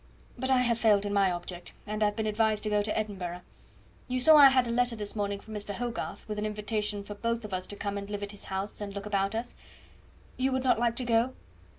But I have failed in my object, and have been advised to go to Edinburgh. You saw I had a letter this morning from Mr. Hogarth, with an invitation for both of us to come and live at his house, and look about us. You would not like to go?"